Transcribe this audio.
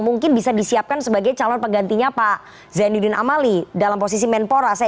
mungkin bisa disiapkan sebagai calon penggantinya pak zainuddin amali dalam posisi menpora saya